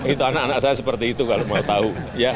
itu anak anak saya seperti itu kalau mau tahu